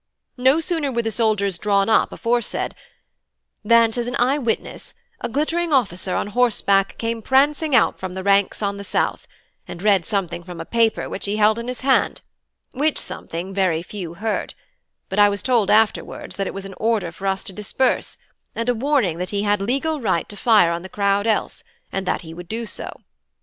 No sooner were the soldiers drawn up aforesaid than, says an eye witness, 'a glittering officer on horseback came prancing out from the ranks on the south, and read something from a paper which he held in his hand; which something, very few heard; but I was told afterwards that it was an order for us to disperse, and a warning that he had legal right to fire on the crowd else, and that he would do so.